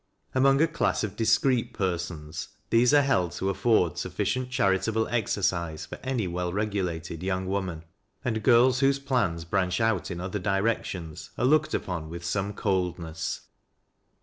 Among a class of discreet persons these are held to afford sufficient charitable exercise for any well regulated young woman ; and girls whose plana branch out in other directions are looked upon with some coldness.